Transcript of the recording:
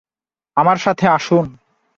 আমার সাথে আসুন